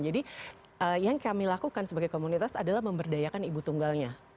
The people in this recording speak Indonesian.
jadi yang kami lakukan sebagai komunitas adalah memberdayakan ibu tunggalnya